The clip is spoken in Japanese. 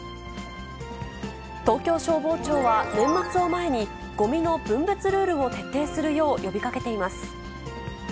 東京消防庁は年末を前に、ごみの分別ルールを徹底するよう呼びかけています。